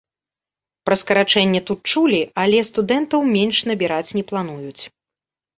Пра скарачэнне тут чулі, але студэнтаў менш набіраць не плануюць.